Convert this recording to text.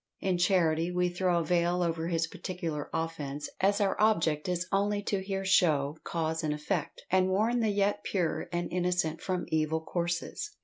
In charity, we throw a veil over his particular offence, as our object is only to here show cause and effect, and warn the yet pure and innocent from evil courses.